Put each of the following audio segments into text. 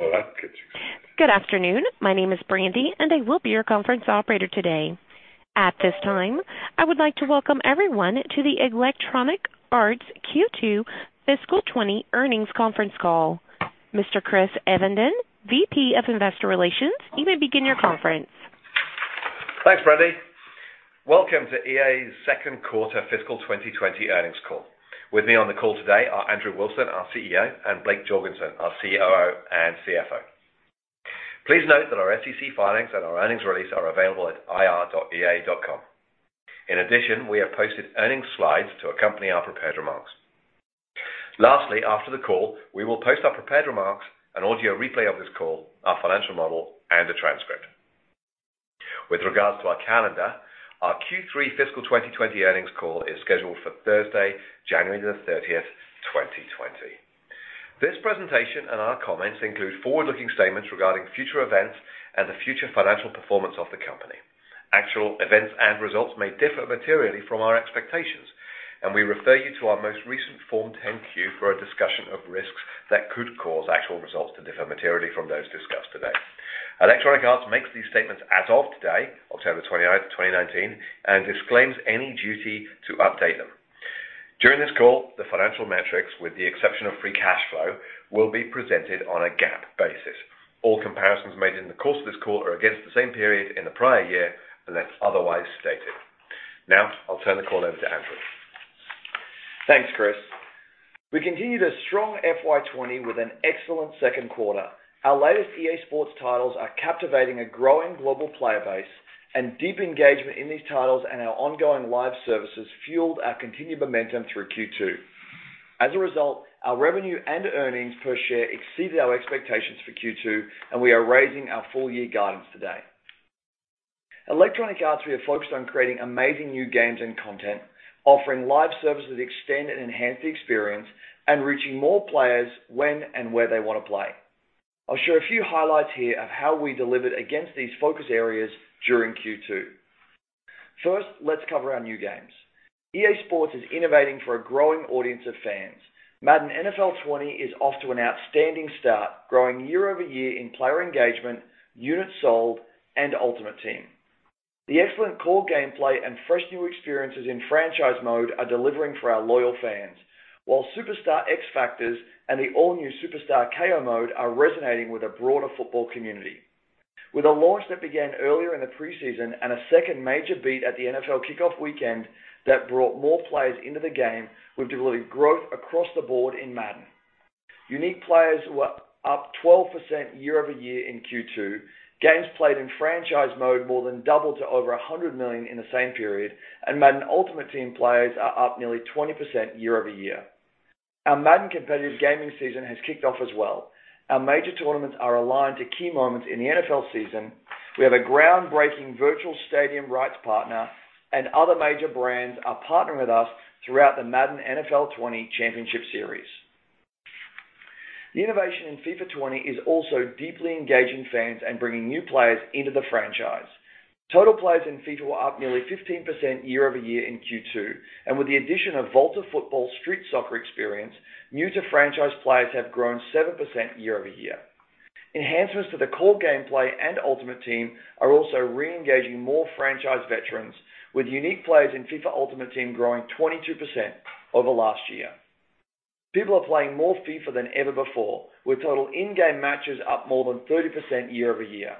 Oh, that gets you. Good afternoon. My name is Brandy, and I will be your conference operator today. At this time, I would like to welcome everyone to the Electronic Arts Q2 Fiscal 2020 earnings conference call. Mr. Chris Evenden, VP of Investor Relations, you may begin your conference. Thanks, Brandy. Welcome to EA's second quarter fiscal 2020 earnings call. With me on the call today are Andrew Wilson, our CEO, and Blake Jorgensen, our COO and CFO. Please note that our SEC filings and our earnings release are available at ir.ea.com. In addition, we have posted earnings slides to accompany our prepared remarks. Lastly, after the call, we will post our prepared remarks, an audio replay of this call, our financial model and a transcript. With regards to our calendar, our Q3 fiscal 2020 earnings call is scheduled for Thursday, January the 30th, 2020. This presentation and our comments include forward-looking statements regarding future events and the future financial performance of the company. Actual events and results may differ materially from our expectations, and we refer you to our most recent Form 10-Q for a discussion of risks that could cause actual results to differ materially from those discussed today. Electronic Arts makes these statements as of today, October 29th, 2019, and disclaims any duty to update them. During this call, the financial metrics, with the exception of free cash flow, will be presented on a GAAP basis. All comparisons made in the course of this call are against the same period in the prior year, unless otherwise stated. Now, I'll turn the call over to Andrew. Thanks, Chris. We continue this strong FY 2020 with an excellent second quarter. Our latest EA Sports titles are captivating a growing global player base. Deep engagement in these titles and our ongoing live services fueled our continued momentum through Q2. As a result, our revenue and earnings per share exceeded our expectations for Q2. We are raising our full-year guidance today. Electronic Arts, we are focused on creating amazing new games and content, offering live services that extend and enhance the experience, and reaching more players when and where they want to play. I'll share a few highlights here of how we delivered against these focus areas during Q2. First, let's cover our new games. EA Sports is innovating for a growing audience of fans. Madden NFL 20 is off to an outstanding start, growing year-over-year in player engagement, units sold, and Ultimate Team. The excellent core gameplay and fresh new experiences in Franchise Mode are delivering for our loyal fans, while Superstar X-Factors and the all-new Superstar KO mode are resonating with a broader football community. With a launch that began earlier in the preseason and a second major beat at the NFL Kickoff weekend that brought more players into the game, we've delivered growth across the board in Madden. Unique players were up 12% year-over-year in Q2. Games played in Franchise Mode more than doubled to over 100 million in the same period, and Madden Ultimate Team players are up nearly 20% year-over-year. Our Madden competitive gaming season has kicked off as well. Our major tournaments are aligned to key moments in the NFL season. We have a groundbreaking virtual stadium rights partner, and other major brands are partnering with us throughout the Madden NFL 20 championship series. The innovation in FIFA 20 is also deeply engaging fans and bringing new players into the franchise. Total players in FIFA were up nearly 15% year-over-year in Q2, and with the addition of Volta Football street soccer experience, new-to-franchise players have grown 7% year-over-year. Enhancements to the core gameplay and Ultimate Team are also re-engaging more franchise veterans, with unique players in FIFA Ultimate Team growing 22% over last year. People are playing more FIFA than ever before, with total in-game matches up more than 30% year-over-year.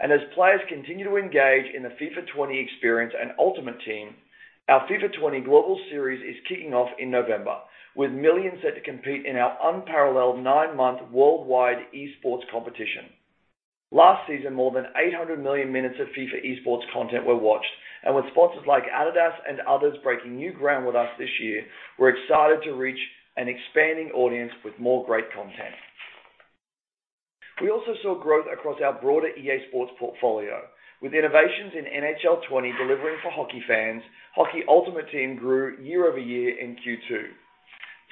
As players continue to engage in the FIFA 20 experience and Ultimate Team, our FIFA 20 Global Series is kicking off in November, with millions set to compete in our unparalleled nine-month worldwide esports competition. Last season, more than 800 million minutes of FIFA esports content were watched. With sponsors like Adidas and others breaking new ground with us this year, we're excited to reach an expanding audience with more great content. We also saw growth across our broader EA Sports portfolio. With innovations in NHL 20 delivering for hockey fans, Hockey Ultimate Team grew year-over-year in Q2.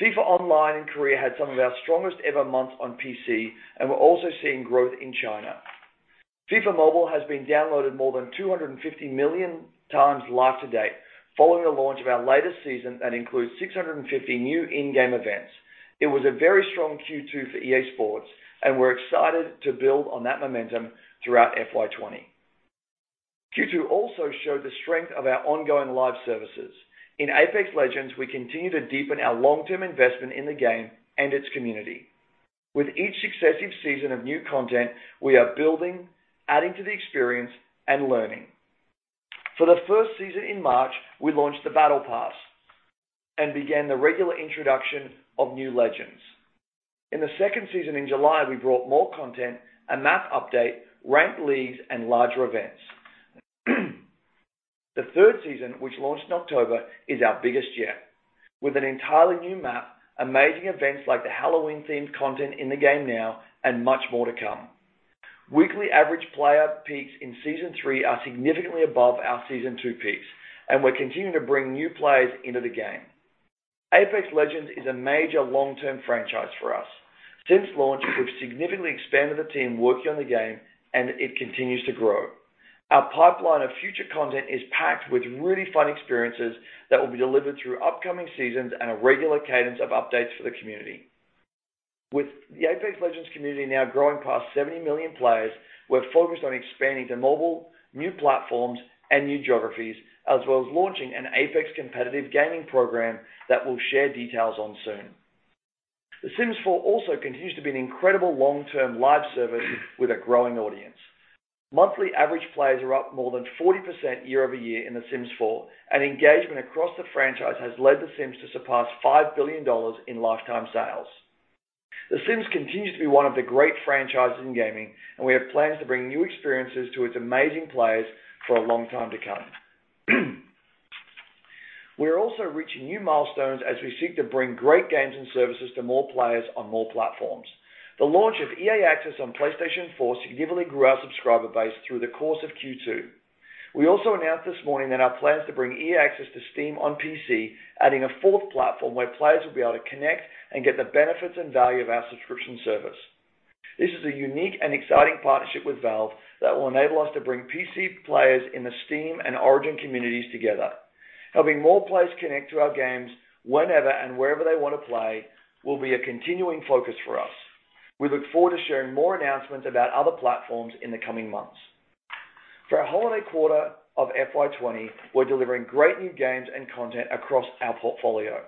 FIFA Online in Korea had some of our strongest-ever months on PC, and we're also seeing growth in China. FIFA Mobile has been downloaded more than 250 million times to date, following the launch of our latest season that includes 650 new in-game events. It was a very strong Q2 for EA Sports, and we're excited to build on that momentum throughout FY 2020. Q2 also showed the strength of our ongoing live services. In Apex Legends, we continue to deepen our long-term investment in the game and its community. With each successive season of new content, we are building, adding to the experience, and learning. For the first season in March, we launched the Battle Pass and began the regular introduction of new Legends. In the second season in July, we brought more content, a map update, ranked leagues, and larger events. The third season, which launched in October, is our biggest yet, with an entirely new map, amazing events like the Halloween-themed content in the game now, and much more to come. Weekly average player peaks in season 3 are significantly above our season 2 peaks, and we're continuing to bring new players into the game. Apex Legends is a major long-term franchise for us. Since launch, we've significantly expanded the team working on the game and it continues to grow. Our pipeline of future content is packed with really fun experiences that will be delivered through upcoming seasons and a regular cadence of updates for the community. With the Apex Legends community now growing past 70 million players, we're focused on expanding to mobile, new platforms, and new geographies, as well as launching an Apex competitive gaming program that we'll share details on soon. The Sims 4 also continues to be an incredible long-term live service with a growing audience. Monthly average players are up more than 40% year-over-year in The Sims 4, and engagement across the franchise has led The Sims to surpass $5 billion in lifetime sales. The Sims continues to be one of the great franchises in gaming, and we have plans to bring new experiences to its amazing players for a long time to come. We are also reaching new milestones as we seek to bring great games and services to more players on more platforms. The launch of EA Access on PlayStation 4 significantly grew our subscriber base through the course of Q2. We also announced this morning that our plans to bring EA Access to Steam on PC, adding a fourth platform where players will be able to connect and get the benefits and value of our subscription service. This is a unique and exciting partnership with Valve that will enable us to bring PC players in the Steam and Origin communities together. Helping more players connect to our games whenever and wherever they want to play will be a continuing focus for us. We look forward to sharing more announcements about other platforms in the coming months. For our holiday quarter of FY 2020, we're delivering great new games and content across our portfolio.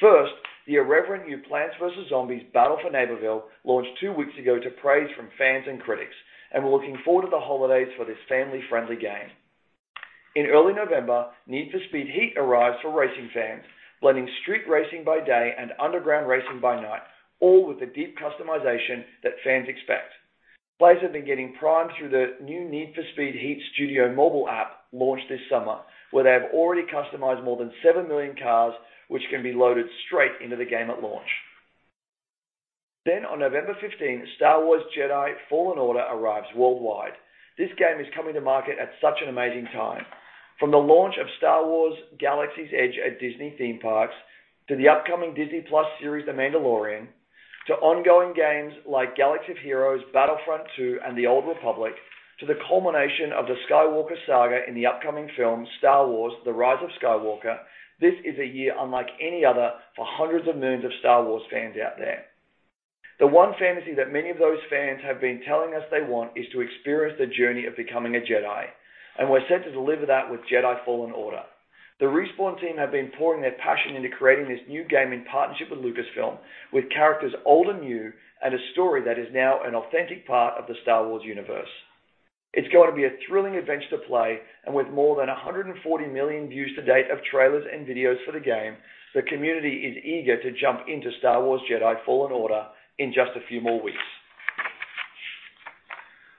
First, the irreverent new Plants vs. Zombies: Battle for Neighborville launched two weeks ago to praise from fans and critics, and we're looking forward to the holidays for this family-friendly game. In early November, Need for Speed Heat arrives for racing fans, blending street racing by day and underground racing by night, all with the deep customization that fans expect. Players have been getting primed through the new Need for Speed Heat Studio mobile app launched this summer, where they have already customized more than seven million cars, which can be loaded straight into the game at launch. On November 15, Star Wars Jedi: Fallen Order arrives worldwide. This game is coming to market at such an amazing time. From the launch of Star Wars: Galaxy's Edge at Disney theme parks, to the upcoming Disney+ series The Mandalorian, to ongoing games like Galaxy of Heroes, Battlefront 2, and The Old Republic, to the culmination of the Skywalker saga in the upcoming film Star Wars: The Rise of Skywalker. This is a year unlike any other for hundreds of millions of Star Wars fans out there. The one fantasy that many of those fans have been telling us they want is to experience the journey of becoming a Jedi, and we're set to deliver that with Jedi: Fallen Order. The Respawn team have been pouring their passion into creating this new game in partnership with Lucasfilm, with characters old and new, and a story that is now an authentic part of the Star Wars universe. It's going to be a thrilling adventure to play, and with more than 140 million views to date of trailers and videos for the game, the community is eager to jump into Star Wars Jedi: Fallen Order in just a few more weeks.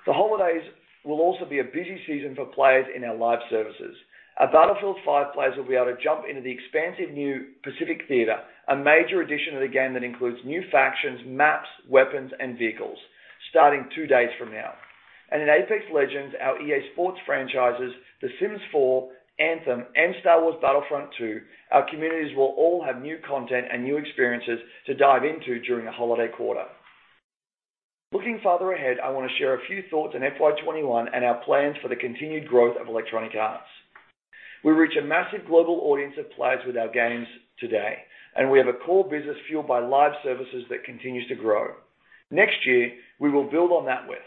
The holidays will also be a busy season for players in our live services. Our Battlefield V players will be able to jump into the expansive new Pacific theater, a major addition to the game that includes new factions, maps, weapons, and vehicles starting two days from now. In Apex Legends, our EA Sports franchises, The Sims 4, Anthem, and Star Wars Battlefront 2, our communities will all have new content and new experiences to dive into during the holiday quarter. Looking farther ahead, I want to share a few thoughts on FY 2021 and our plans for the continued growth of Electronic Arts. We reach a massive global audience of players with our games today, and we have a core business fueled by live services that continues to grow. Next year, we will build on that with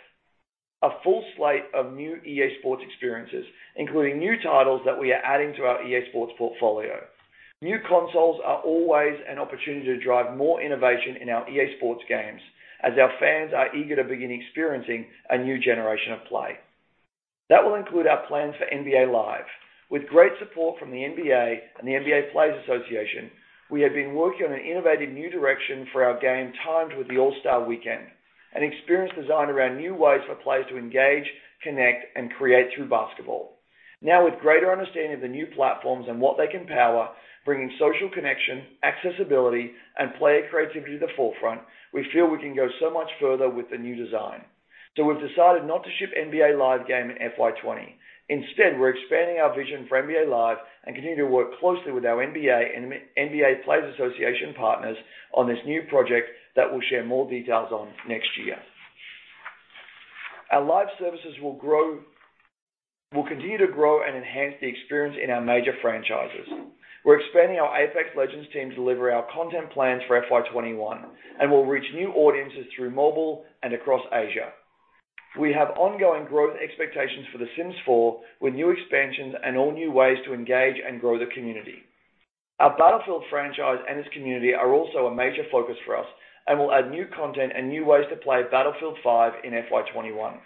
a full slate of new EA Sports experiences, including new titles that we are adding to our EA Sports portfolio. New consoles are always an opportunity to drive more innovation in our EA Sports games, as our fans are eager to begin experiencing a new generation of play. That will include our plans for NBA Live. With great support from the NBA and the NBA Players Association, we have been working on an innovative new direction for our game timed with the All-Star Weekend, an experience designed around new ways for players to engage, connect, and create through basketball. Now with greater understanding of the new platforms and what they can power, bringing social connection, accessibility, and player creativity to the forefront, we feel we can go so much further with the new design. We've decided not to ship NBA Live game in FY 2020. Instead, we're expanding our vision for NBA Live and continue to work closely with our NBA and NBA Players Association partners on this new project that we'll share more details on next year. Our live services will continue to grow and enhance the experience in our major franchises. We're expanding our Apex Legends team to deliver our content plans for FY 2021, and we'll reach new audiences through mobile and across Asia. We have ongoing growth expectations for The Sims 4 with new expansions and all new ways to engage and grow the community. Our Battlefield franchise and its community are also a major focus for us, and we'll add new content and new ways to play Battlefield V in FY 2021.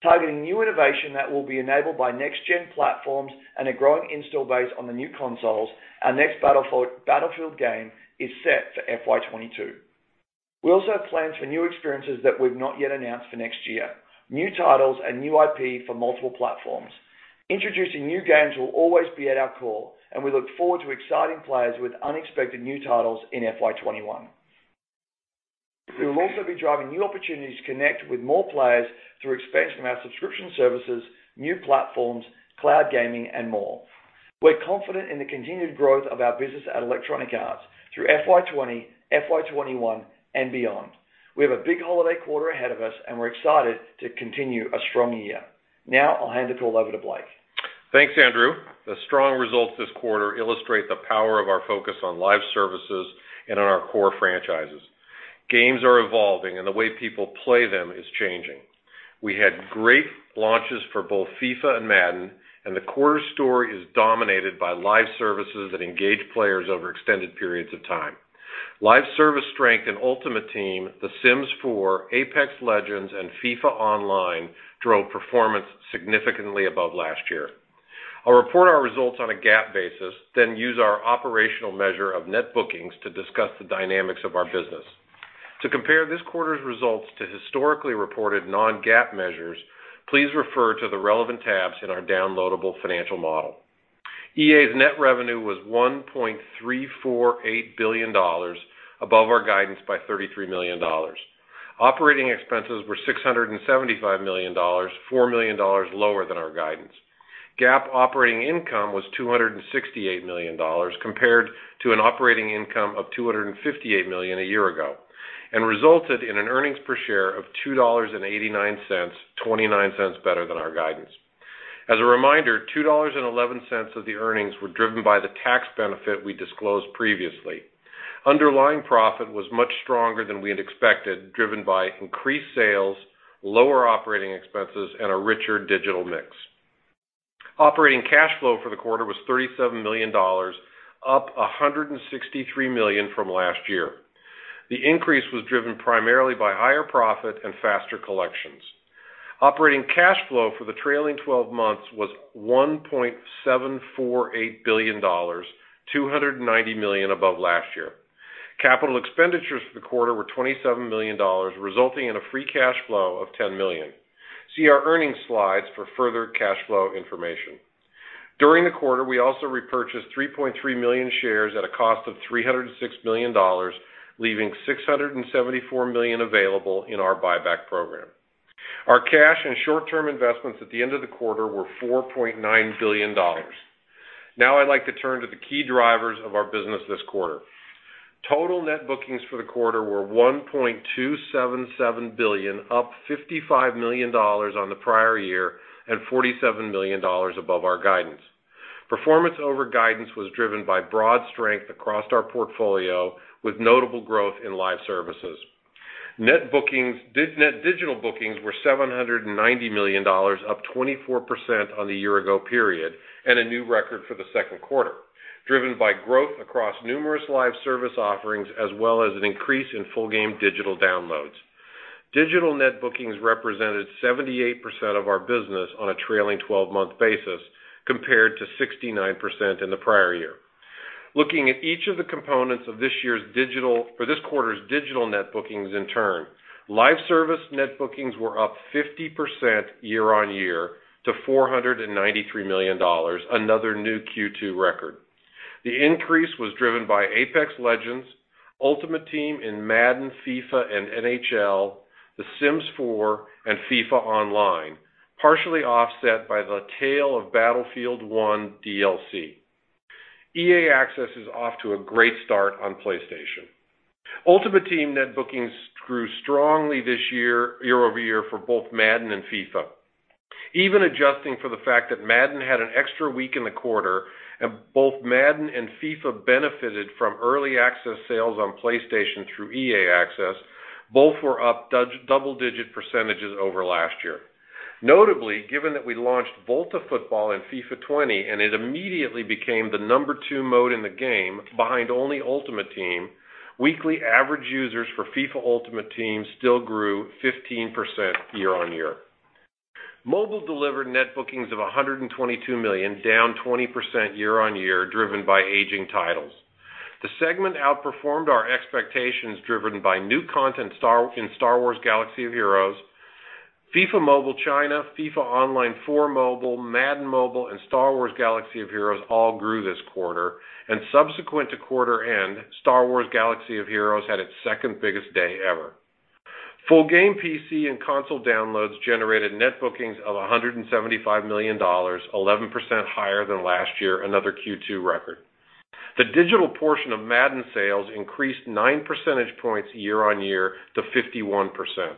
Targeting new innovation that will be enabled by next-gen platforms and a growing install base on the new consoles, our next Battlefield game is set for FY 2022. We also have plans for new experiences that we've not yet announced for next year, new titles and new IP for multiple platforms. Introducing new games will always be at our core, and we look forward to exciting players with unexpected new titles in FY 2021. We will also be driving new opportunities to connect with more players through expansion of our subscription services, new platforms, cloud gaming, and more. We're confident in the continued growth of our business at Electronic Arts through FY 2020, FY 2021, and beyond. We have a big holiday quarter ahead of us, and we're excited to continue a strong year. Now I'll hand it over to Blake. Thanks, Andrew. The strong results this quarter illustrate the power of our focus on live services and on our core franchises. Games are evolving, and the way people play them is changing. We had great launches for both FIFA and Madden, and the quarter's story is dominated by live services that engage players over extended periods of time. Live service strength in Ultimate Team, The Sims 4, Apex Legends, and FIFA Online drove performance significantly above last year. I'll report our results on a GAAP basis, then use our operational measure of net bookings to discuss the dynamics of our business. To compare this quarter's results to historically reported non-GAAP measures, please refer to the relevant tabs in our downloadable financial model. EA's net revenue was $1.348 billion, above our guidance by $33 million. Operating expenses were $675 million, $4 million lower than our guidance. GAAP operating income was $268 million compared to an operating income of $258 million a year ago, resulted in an earnings per share of $2.89, $0.29 better than our guidance. As a reminder, $2.11 of the earnings were driven by the tax benefit we disclosed previously. Underlying profit was much stronger than we had expected, driven by increased sales, lower operating expenses, and a richer digital mix. Operating cash flow for the quarter was $37 million, up $163 million from last year. The increase was driven primarily by higher profit and faster collections. Operating cash flow for the trailing 12 months was $1.748 billion, $290 million above last year. Capital expenditures for the quarter were $27 million, resulting in a free cash flow of $10 million. See our earnings slides for further cash flow information. During the quarter, we also repurchased 3.3 million shares at a cost of $306 million, leaving $674 million available in our buyback program. Our cash and short-term investments at the end of the quarter were $4.9 billion. Now I'd like to turn to the key drivers of our business this quarter. Total net bookings for the quarter were $1.277 billion, up $55 million on the prior year, and $47 million above our guidance. Performance over guidance was driven by broad strength across our portfolio, with notable growth in live services. Net digital bookings were $790 million, up 24% on the year ago period, and a new record for the second quarter, driven by growth across numerous live service offerings, as well as an increase in full game digital downloads. Digital net bookings represented 78% of our business on a trailing 12-month basis, compared to 69% in the prior year. Looking at each of the components of this quarter's digital net bookings in turn, live service net bookings were up 50% year-on-year to $493 million, another new Q2 record. The increase was driven by Apex Legends, Ultimate Team in Madden, FIFA, and NHL, The Sims 4, and FIFA Online, partially offset by the tail of Battlefield 1 DLC. EA Access is off to a great start on PlayStation. Ultimate Team net bookings grew strongly this year-over-year for both Madden and FIFA. Even adjusting for the fact that Madden had an extra week in the quarter and both Madden and FIFA benefited from early access sales on PlayStation through EA Access, both were up double-digit percentages over last year. Notably, given that we launched Volta Football in FIFA 20, and it immediately became the number two mode in the game behind only Ultimate Team, weekly average users for FIFA Ultimate Team still grew 15% year-on-year. Mobile delivered net bookings of $122 million, down 20% year-on-year, driven by aging titles. The segment outperformed our expectations, driven by new content in Star Wars: Galaxy of Heroes. FIFA Mobile China, FIFA Online 4 Mobile, Madden Mobile, and Star Wars: Galaxy of Heroes all grew this quarter, and subsequent to quarter end, Star Wars: Galaxy of Heroes had its second biggest day ever. Full game PC and console downloads generated net bookings of $175 million, 11% higher than last year, another Q2 record. The digital portion of Madden sales increased nine percentage points year-on-year to 51%.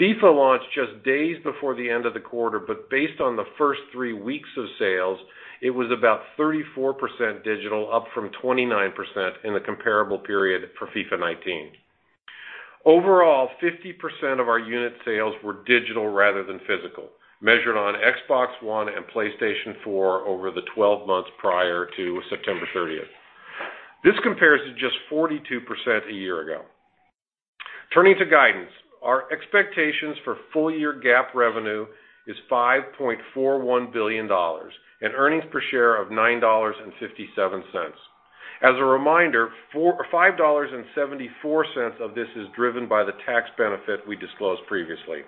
FIFA launched just days before the end of the quarter, but based on the first three weeks of sales, it was about 34% digital, up from 29% in the comparable period for FIFA 19. Overall, 50% of our unit sales were digital rather than physical, measured on Xbox One and PlayStation 4 over the 12 months prior to September 30th. This compares to just 42% a year ago. Turning to guidance. Our expectations for full-year GAAP revenue is $5.41 billion and earnings per share of $9.57. As a reminder, $5.74 of this is driven by the tax benefit we disclosed previously.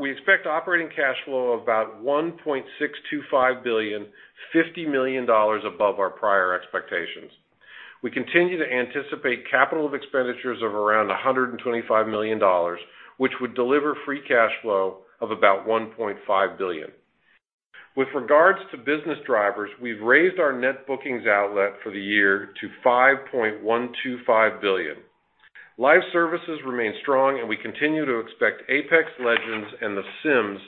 We expect operating cash flow of about $1.625 billion, $50 million above our prior expectations. We continue to anticipate capital expenditures of around $125 million, which would deliver free cash flow of about $1.5 billion. With regards to business drivers, we've raised our net bookings outlook for the year to $5.125 billion. Live services remain strong, and we continue to expect Apex Legends and The Sims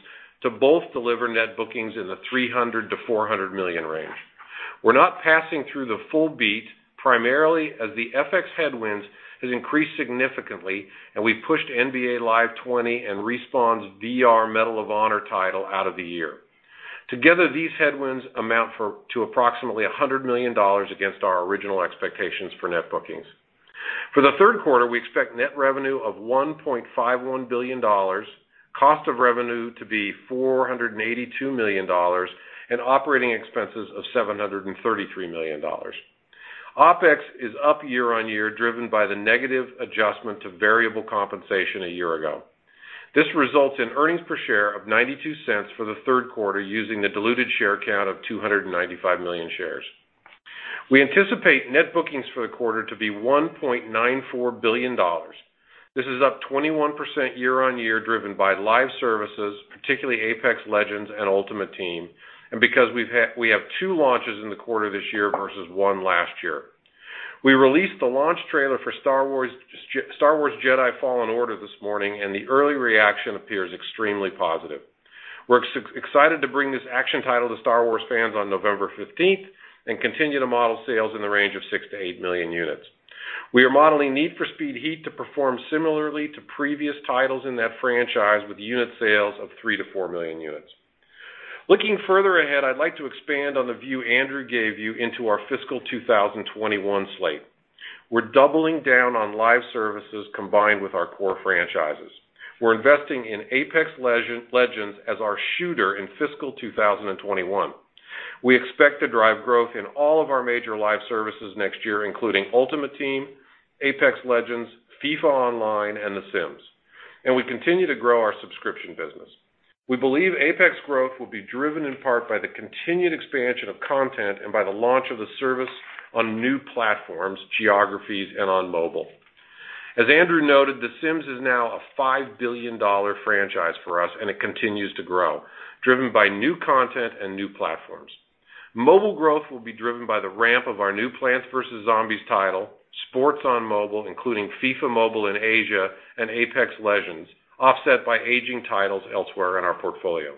to both deliver net bookings in the $300 million-$400 million range. We're not passing through the full beat, primarily as the FX headwinds has increased significantly, and we pushed NBA Live 20 and Respawn's VR Medal of Honor title out of the year. Together, these headwinds amount to approximately $100 million against our original expectations for net bookings. For the third quarter, we expect net revenue of $1.51 billion, cost of revenue to be $482 million, and operating expenses of $733 million. OPEX is up year-on-year, driven by the negative adjustment to variable compensation a year ago. This results in earnings per share of $0.92 for the third quarter using the diluted share count of 295 million shares. We anticipate net bookings for the quarter to be $1.94 billion. This is up 21% year-on-year driven by live services, particularly Apex Legends and Ultimate Team. Because we have two launches in the quarter this year versus one last year. We released the launch trailer for Star Wars: Jedi Fallen Order this morning. The early reaction appears extremely positive. We're excited to bring this action title to Star Wars fans on November 15th and continue to model sales in the range of 6 million-8 million units. We are modeling Need for Speed Heat to perform similarly to previous titles in that franchise, with unit sales of 3 million-4 million units. Looking further ahead, I'd like to expand on the view Andrew gave you into our fiscal 2021 slate. We're doubling down on live services combined with our core franchises. We're investing in Apex Legends as our shooter in fiscal 2021. We expect to drive growth in all of our major live services next year, including Ultimate Team, Apex Legends, FIFA Online, and The Sims. We continue to grow our subscription business. We believe Apex growth will be driven in part by the continued expansion of content and by the launch of the service on new platforms, geographies, and on mobile. As Andrew noted, The Sims is now a $5 billion franchise for us, and it continues to grow, driven by new content and new platforms. Mobile growth will be driven by the ramp of our new Plants vs. Zombies title, sports on mobile, including FIFA Mobile in Asia and Apex Legends, offset by aging titles elsewhere in our portfolio.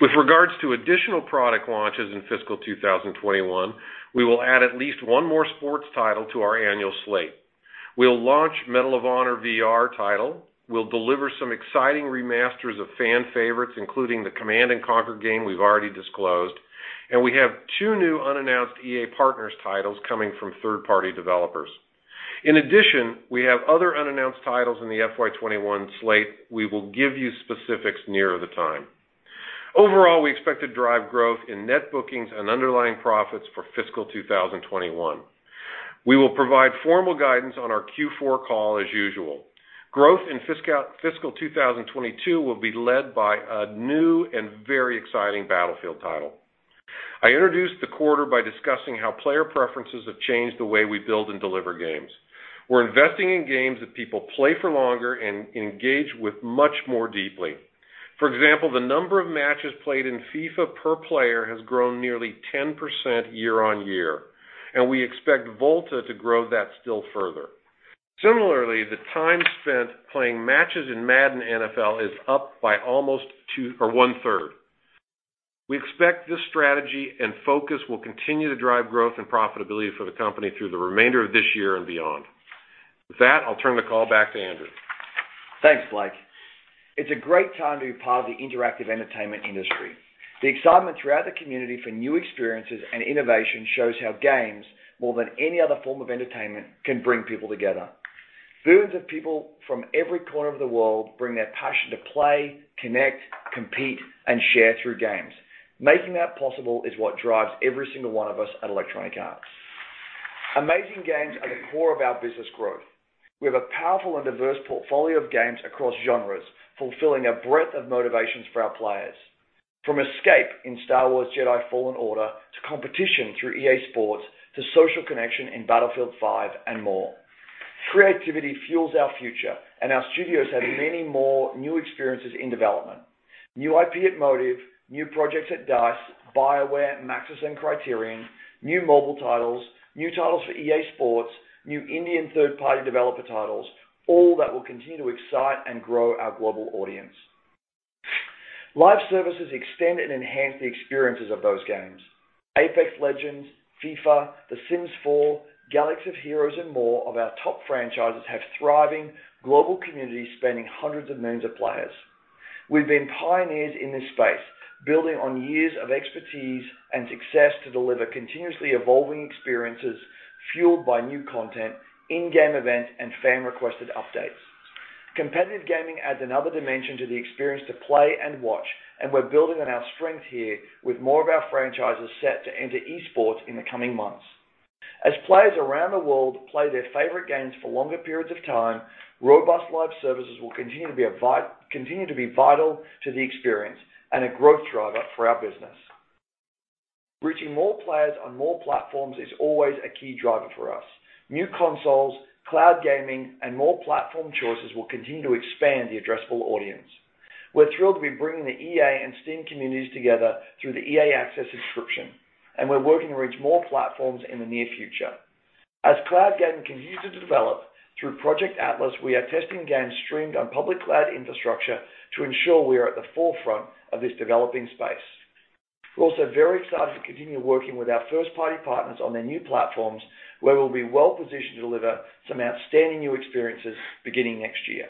With regards to additional product launches in fiscal 2021, we will add at least one more sports title to our annual slate. We'll launch Medal of Honor VR title. We'll deliver some exciting remasters of fan favorites, including the Command and Conquer game we've already disclosed. We have two new unannounced EA Partners titles coming from third-party developers. In addition, we have other unannounced titles in the FY 2021 slate. We will give you specifics nearer the time. Overall, we expect to drive growth in net bookings and underlying profits for fiscal 2021. We will provide formal guidance on our Q4 call as usual. Growth in fiscal 2022 will be led by a new and very exciting Battlefield title. I introduced the quarter by discussing how player preferences have changed the way we build and deliver games. We're investing in games that people play for longer and engage with much more deeply. For example, the number of matches played in FIFA per player has grown nearly 10% year-on-year, and we expect Volta to grow that still further. Similarly, the time spent playing matches in Madden NFL is up by almost one-third. We expect this strategy and focus will continue to drive growth and profitability for the company through the remainder of this year and beyond. With that, I'll turn the call back to Andrew. Thanks, Blake. It's a great time to be part of the interactive entertainment industry. The excitement throughout the community for new experiences and innovation shows how games, more than any other form of entertainment, can bring people together. Billions of people from every corner of the world bring that passion to play, connect, compete, and share through games. Making that possible is what drives every single one of us at Electronic Arts. Amazing games are the core of our business growth. We have a powerful and diverse portfolio of games across genres, fulfilling a breadth of motivations for our players. From escape in Star Wars: Jedi Fallen Order, to competition through EA Sports, to social connection in Battlefield V, and more. Creativity fuels our future, and our studios have many more new experiences in development. New IP at Motive, new projects at DICE, BioWare, Maxis, and Criterion, new mobile titles, new titles for EA Sports, new indie and third-party developer titles, all that will continue to excite and grow our global audience. Live services extend and enhance the experiences of those games. Apex Legends, FIFA, The Sims 4, Galaxy of Heroes, and more of our top franchises have thriving global communities spanning hundreds of millions of players. We've been pioneers in this space, building on years of expertise and success to deliver continuously evolving experiences fueled by new content, in-game events, and fan-requested updates. Competitive gaming adds another dimension to the experience to play and watch, and we're building on our strength here with more of our franchises set to enter esports in the coming months. As players around the world play their favorite games for longer periods of time, robust live services will continue to be vital to the experience and a growth driver for our business. Reaching more players on more platforms is always a key driver for us. New consoles, cloud gaming, and more platform choices will continue to expand the addressable audience. We're thrilled to be bringing the EA and Steam communities together through the EA Access subscription, and we're working to reach more platforms in the near future. As cloud gaming continues to develop through Project Atlas, we are testing games streamed on public cloud infrastructure to ensure we are at the forefront of this developing space. We're also very excited to continue working with our first-party partners on their new platforms, where we'll be well-positioned to deliver some outstanding new experiences beginning next year.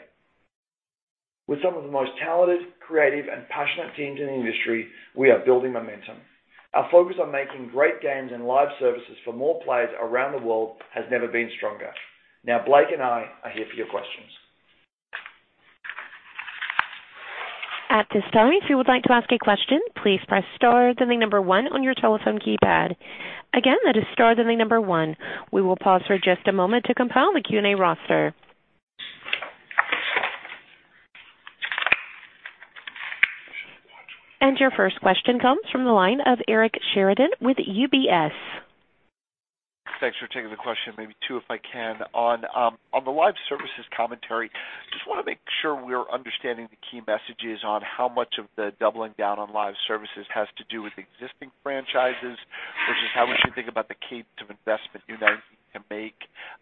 With some of the most talented, creative, and passionate teams in the industry, we are building momentum. Our focus on making great games and live services for more players around the world has never been stronger. Blake and I are here for your questions. At this time, if you would like to ask a question, please press star, then the number one on your telephone keypad. Again, that is star, then the number one. We will pause for just a moment to compile the Q&A roster. Your first question comes from the line of Eric Sheridan with UBS. Thanks for taking the question. Maybe two, if I can. On the live services commentary, just want to make sure we're understanding the key messages on how much of the doubling down on live services has to do with existing franchises versus how we should think about the cadence of investment you now need to make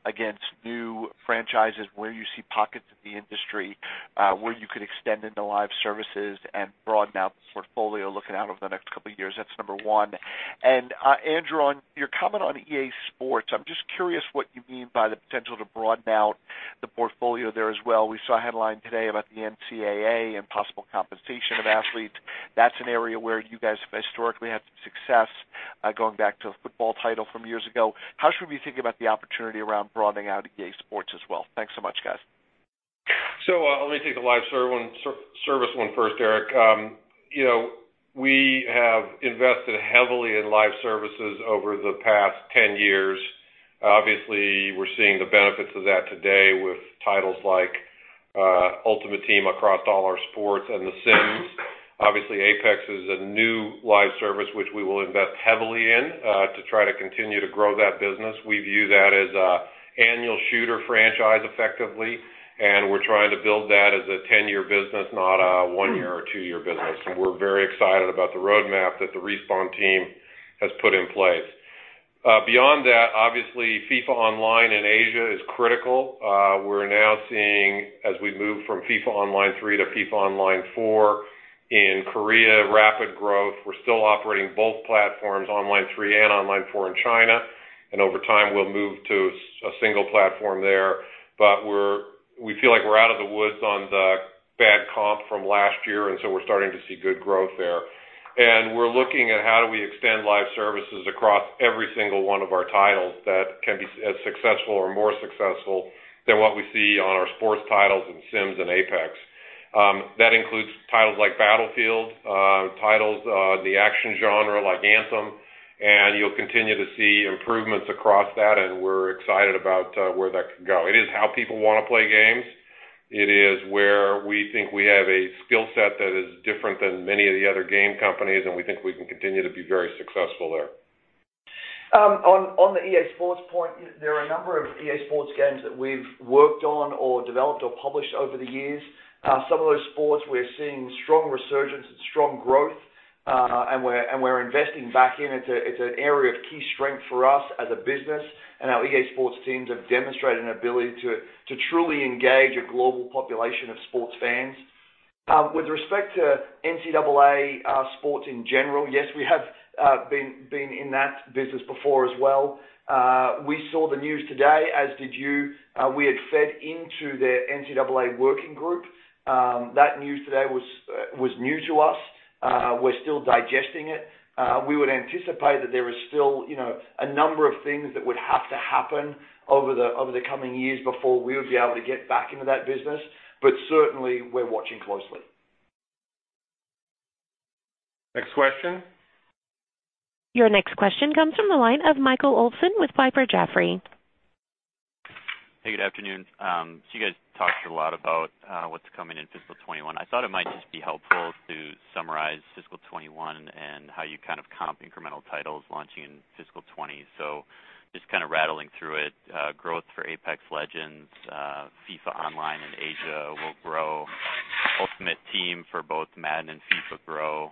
against new franchises, where you see pockets of the industry, where you could extend into live services and broaden out the portfolio looking out over the next couple of years. That's number 1. Andrew, on your comment on EA Sports, I'm just curious what you mean by the potential to broaden out the portfolio there as well. We saw a headline today about the NCAA and possible compensation of athletes. That's an area where you guys have historically had some success, going back to a football title from years ago. How should we think about the opportunity around broadening out EA Sports as well? Thanks so much, guys. Let me take the live service one first, Eric. We have invested heavily in live services over the past 10 years. Obviously, we're seeing the benefits of that today with titles like Ultimate Team across all our sports and The Sims. Obviously, Apex is a new live service which we will invest heavily in to try to continue to grow that business. We view that as an annual shooter franchise effectively, and we're trying to build that as a 10-year business, not a one-year or two-year business. We're very excited about the roadmap that the Respawn team has put in place. Beyond that, obviously FIFA Online in Asia is critical. We're now seeing, as we move from FIFA Online 3 to FIFA Online 4 in Korea, rapid growth. We're still operating both platforms, Online 3 and Online 4 in China. Over time, we'll move to a single platform there. We feel like we're out of the woods on the bad comp from last year. We're starting to see good growth there. We're looking at how do we extend live services across every single one of our titles that can be as successful or more successful than what we see on our sports titles and Sims and Apex. That includes titles like Battlefield, titles in the action genre like Anthem. You'll continue to see improvements across that. We're excited about where that could go. It is how people want to play games. It is where we think we have a skill set that is different than many of the other game companies, and we think we can continue to be very successful there. On the EA Sports point, there are a number of EA Sports games that we've worked on or developed or published over the years. Some of those sports, we're seeing strong resurgence and strong growth. We're investing back in. It's an area of key strength for us as a business. Our EA Sports teams have demonstrated an ability to truly engage a global population of sports fans. With respect to NCAA sports in general, yes, we have been in that business before as well. We saw the news today, as did you. We had fed into their NCAA working group. That news today was new to us. We're still digesting it. We would anticipate that there is still a number of things that would have to happen over the coming years before we would be able to get back into that business. Certainly, we're watching closely. Next question. Your next question comes from the line of Michael Olson with Piper Jaffray. Hey, good afternoon. You guys talked a lot about what's coming in fiscal 2021. I thought it might just be helpful to summarize fiscal 2021 and how you kind of comp incremental titles launching in fiscal 2020. Just kind of rattling through it. Growth for Apex Legends, FIFA Online in Asia will grow. Ultimate Team for both Madden and FIFA grow.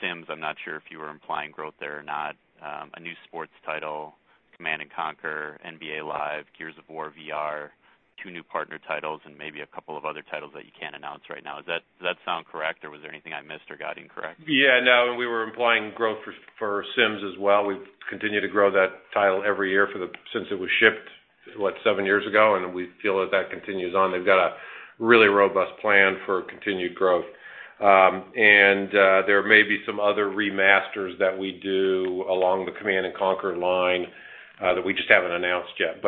Sims, I'm not sure if you were implying growth there or not. A new sports title, Command & Conquer, NBA Live, Gears of War VR, two new partner titles, and maybe a couple of other titles that you can't announce right now. Does that sound correct, or was there anything I missed or got incorrect? Yeah, no, we were implying growth for Sims as well. We've continued to grow that title every year since it was shipped, what, seven years ago, and we feel that that continues on. They've got a really robust plan for continued growth. There may be some other remasters that we do along the Command & Conquer line that we just haven't announced yet.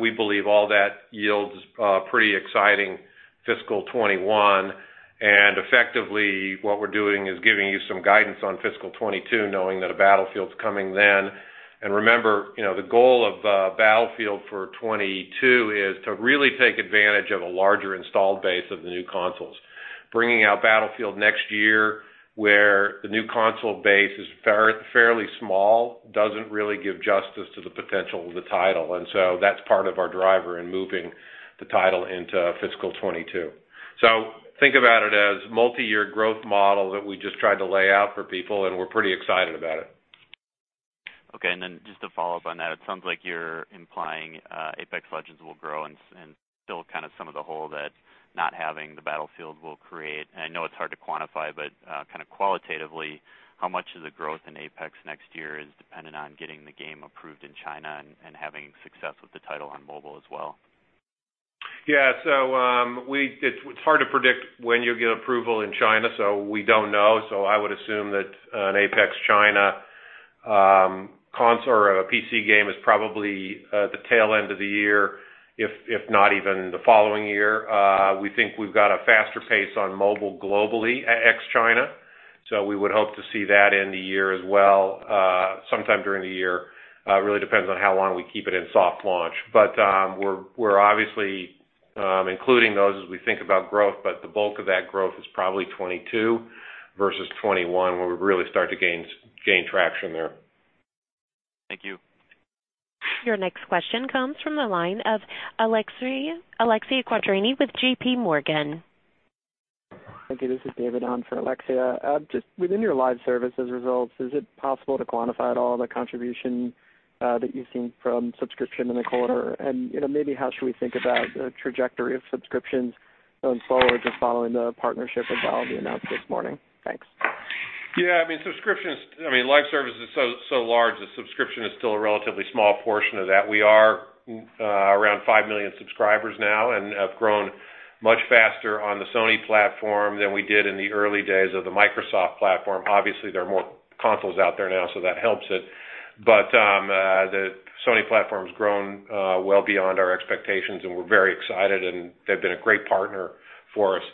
We believe all that yields a pretty exciting fiscal 2021. Effectively, what we're doing is giving you some guidance on fiscal 2022, knowing that a Battlefield's coming then. Remember, the goal of Battlefield for 2022 is to really take advantage of a larger installed base of the new consoles. Bringing out Battlefield next year, where the new console base is fairly small, doesn't really give justice to the potential of the title. That's part of our driver in moving the title into fiscal 2022. Think about it as multi-year growth model that we just tried to lay out for people, and we're pretty excited about it. Okay. Just to follow up on that, it sounds like you're implying Apex Legends will grow and fill kind of some of the hole that not having the Battlefield will create. I know it's hard to quantify, but kind of qualitatively, how much of the growth in Apex next year is dependent on getting the game approved in China and having success with the title on mobile as well? It's hard to predict when you'll get approval in China, we don't know. I would assume that an Apex China PC game is probably the tail end of the year, if not even the following year. We think we've got a faster pace on mobile globally ex China. We would hope to see that in the year as well, sometime during the year. Really depends on how long we keep it in soft launch. We're obviously including those as we think about growth, the bulk of that growth is probably 2022 versus 2021, where we really start to gain traction there. Thank you. Your next question comes from the line of Alexia Quadrani with J.P. Morgan. Thank you. This is David on for Alexia. Just within your live services results, is it possible to quantify at all the contribution that you've seen from subscription in the quarter? Maybe how should we think about the trajectory of subscriptions going forward just following the partnership with Valve you announced this morning? Thanks. Yeah. Subscription is-- live service is so large that subscription is still a relatively small portion of that. We are around 5 million subscribers now and have grown much faster on the Sony platform than we did in the early days of the Microsoft platform. Obviously, there are more consoles out there now, so that helps it. The Sony platform's grown well beyond our expectations, and we're very excited, and they've been a great partner for us.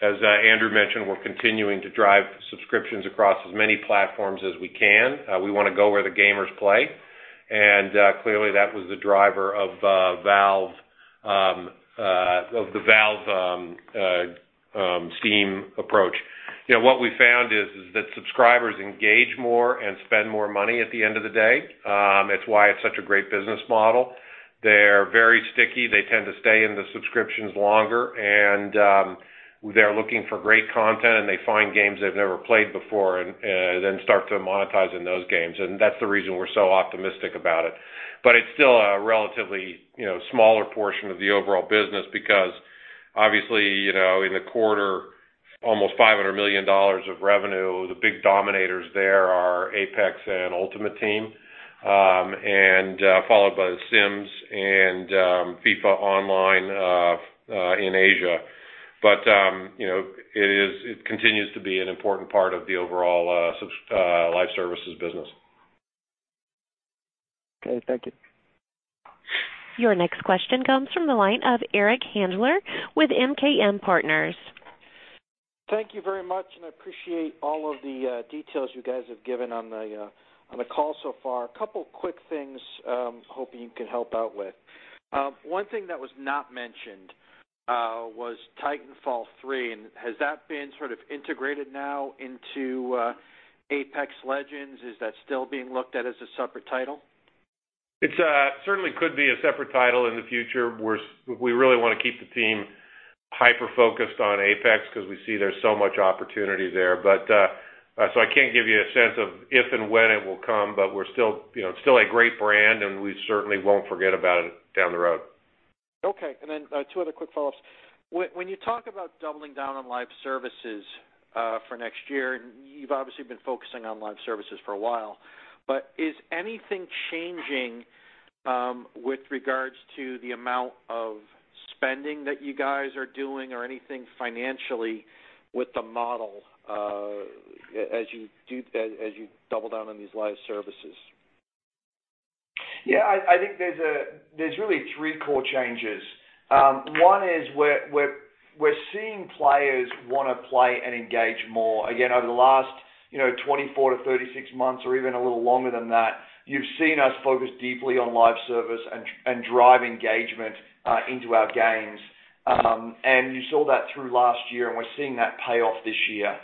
As Andrew mentioned, we're continuing to drive subscriptions across as many platforms as we can. We want to go where the gamers play. Clearly, that was the driver of the Valve Steam approach. What we found is that subscribers engage more and spend more money at the end of the day. It's why it's such a great business model. They're very sticky. They tend to stay in the subscriptions longer, and they're looking for great content, and they find games they've never played before, and then start to monetize in those games. That's the reason we're so optimistic about it. It's still a relatively smaller portion of the overall business because obviously, in the quarter, almost $500 million of revenue. The big dominators there are Apex and Ultimate Team, and followed by The Sims and FIFA Online in Asia. It continues to be an important part of the overall live services business. Okay, thank you. Your next question comes from the line of Eric Handler with MKM Partners. Thank you very much, and I appreciate all of the details you guys have given on the call so far. A couple quick things hoping you can help out with. One thing that was not mentioned was Titanfall 3. Has that been sort of integrated now into Apex Legends? Is that still being looked at as a separate title? It certainly could be a separate title in the future. We really want to keep the team hyper-focused on Apex because we see there's so much opportunity there. I can't give you a sense of if and when it will come, but it's still a great brand, and we certainly won't forget about it down the road. Okay. Two other quick follow-ups. When you talk about doubling down on live services for next year, and you've obviously been focusing on live services for a while, is anything changing with regards to the amount of spending that you guys are doing or anything financially with the model as you double down on these live services? Yeah, I think there's really three core changes. One is we're seeing players want to play and engage more. Again, over the last 24-36 months or even a little longer than that, you've seen us focus deeply on live service and drive engagement into our games. You saw that through last year, and we're seeing that pay off this year.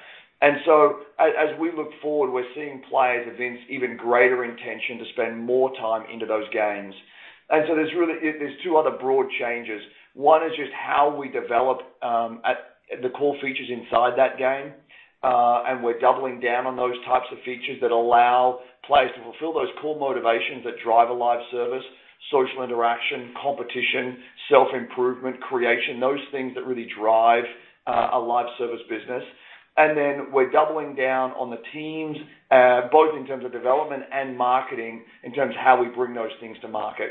As we look forward, we're seeing players evince even greater intention to spend more time into those games. There's two other broad changes. One is just how we develop the core features inside that game. We're doubling down on those types of features that allow players to fulfill those core motivations that drive a live service, social interaction, competition, self-improvement, creation, those things that really drive a live service business. We're doubling down on the teams, both in terms of development and marketing, in terms of how we bring those things to market.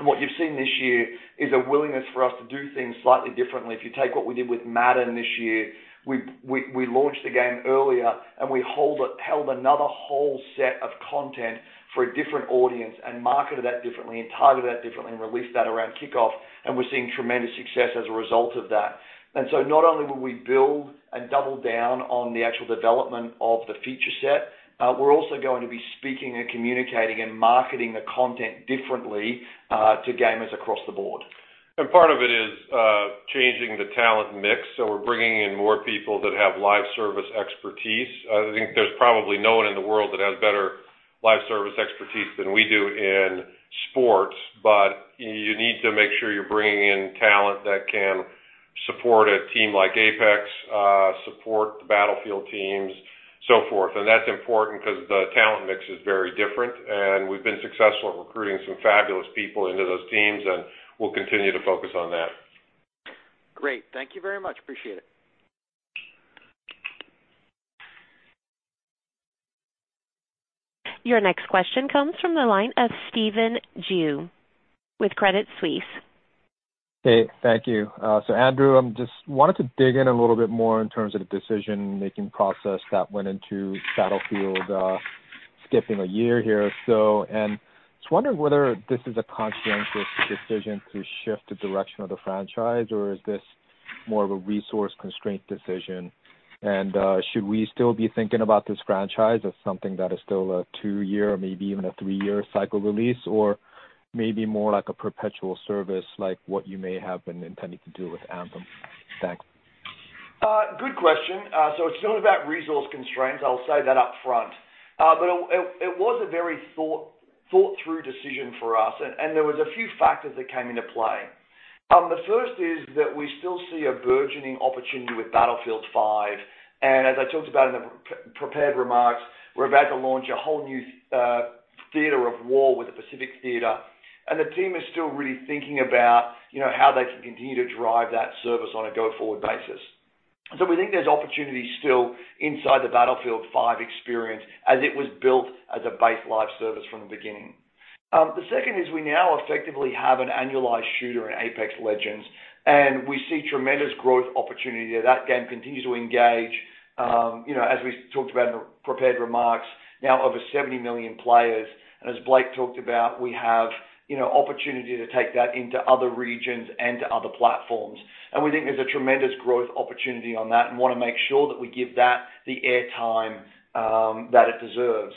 What you've seen this year is a willingness for us to do things slightly differently. If you take what we did with Madden this year, we launched the game earlier and we held another whole set of content for a different audience and marketed that differently and targeted that differently and released that around kickoff. We're seeing tremendous success as a result of that. Not only will we double down on the actual development of the feature set. We're also going to be speaking and communicating and marketing the content differently to gamers across the board. Part of it is changing the talent mix, so we're bringing in more people that have live service expertise. I think there's probably no one in the world that has better live service expertise than we do in sports, but you need to make sure you're bringing in talent that can support a team like Apex, support the Battlefield teams, so forth. That's important because the talent mix is very different, and we've been successful at recruiting some fabulous people into those teams, and we'll continue to focus on that. Great. Thank you very much. Appreciate it. Your next question comes from the line of Stephen Ju with Credit Suisse. Hey, thank you. Andrew, I just wanted to dig in a little bit more in terms of the decision-making process that went into Battlefield skipping one year here. Just wondering whether this is a conscientious decision to shift the direction of the franchise, or is this more of a resource constraint decision? Should we still be thinking about this franchise as something that is still a two-year or maybe even a three-year cycle release, or maybe more like a perpetual service, like what you may have been intending to do with Anthem? Thanks. Good question. It's not about resource constraints, I'll say that up front. It was a very thought-through decision for us, and there was a few factors that came into play. The first is that we still see a burgeoning opportunity with Battlefield V, and as I talked about in the prepared remarks, we're about to launch a whole new theater of war with the Pacific Theater. The team is still really thinking about how they can continue to drive that service on a go-forward basis. We think there's opportunity still inside the Battlefield V experience as it was built as a base live service from the beginning. The second is we now effectively have an annualized shooter in Apex Legends, and we see tremendous growth opportunity there. That game continues to engage, as we talked about in the prepared remarks, now over 70 million players. As Blake talked about, we have opportunity to take that into other regions and to other platforms. We think there's a tremendous growth opportunity on that and want to make sure that we give that the air time that it deserves.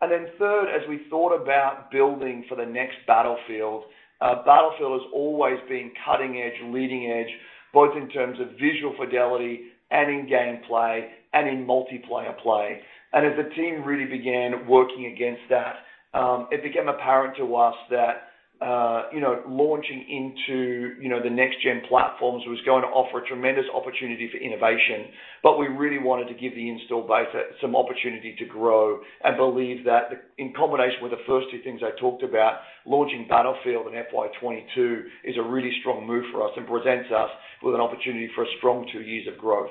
Then third, as we thought about building for the next Battlefield has always been cutting edge, leading edge, both in terms of visual fidelity and in gameplay and in multiplayer play. As the team really began working against that, it became apparent to us that launching into the next-gen platforms was going to offer a tremendous opportunity for innovation. We really wanted to give the install base some opportunity to grow and believe that, in combination with the first two things I talked about, launching Battlefield in FY 2022 is a really strong move for us and presents us with an opportunity for a strong two years of growth.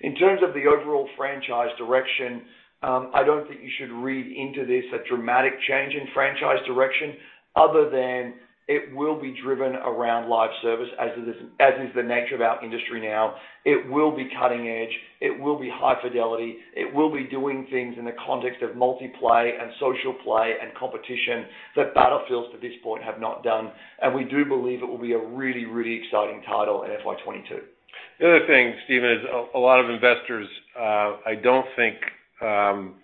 In terms of the overall franchise direction, I don't think you should read into this a dramatic change in franchise direction other than it will be driven around live service, as is the nature of our industry now. It will be cutting edge. It will be high fidelity. It will be doing things in the context of multi-play and social play and competition that Battlefields to this point have not done. We do believe it will be a really, really exciting title in FY 2022. The other thing, Stephen, is a lot of investors, I don't think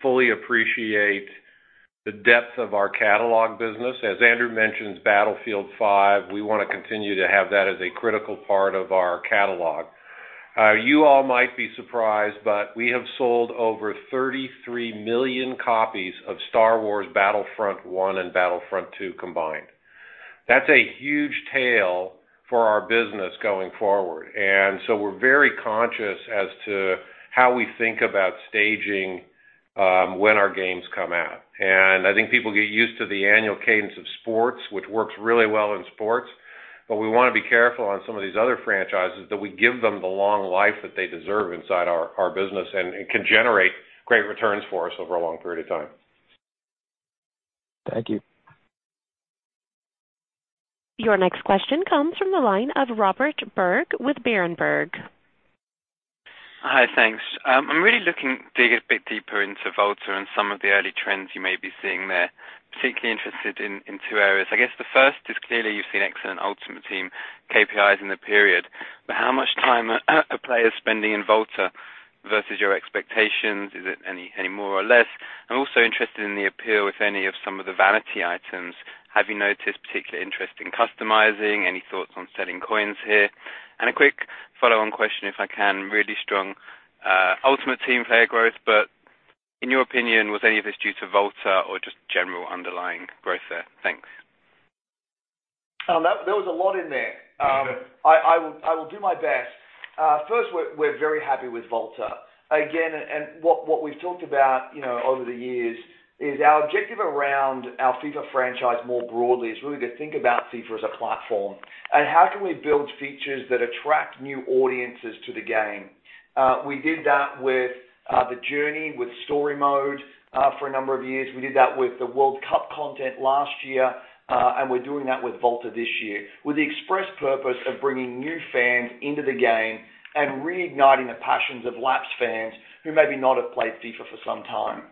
fully appreciate the depth of our catalog business. As Andrew mentions, Battlefield V, we want to continue to have that as a critical part of our catalog. We have sold over 33 million copies of Star Wars Battlefront and Star Wars Battlefront II combined. That's a huge tail for our business going forward. We're very conscious as to how we think about staging when our games come out. I think people get used to the annual cadence of sports, which works really well in sports. We want to be careful on some of these other franchises that we give them the long life that they deserve inside our business and can generate great returns for us over a long period of time. Thank you. Your next question comes from the line of Robert Berg with Berenberg. Hi, thanks. I am really looking to dig a bit deeper into Volta and some of the early trends you may be seeing there. Particularly interested in two areas. I guess the first is, clearly you've seen excellent Ultimate Team KPIs in the period, how much time are players spending in Volta versus your expectations? Is it any more or less? I am also interested in the appeal, if any, of some of the vanity items. Have you noticed particular interest in customizing? Any thoughts on selling coins here? A quick follow-on question, if I can. Really strong Ultimate Team player growth, in your opinion, was any of this due to Volta or just general underlying growth there? Thanks. There was a lot in there. I will do my best. First, we're very happy with Volta. What we've talked about over the years is our objective around our FIFA franchise more broadly is really to think about FIFA as a platform and how can we build features that attract new audiences to the game. We did that with The Journey, with Story Mode for a number of years. We did that with the World Cup content last year. We're doing that with Volta this year, with the express purpose of bringing new fans into the game and reigniting the passions of lapsed fans who maybe not have played FIFA for some time.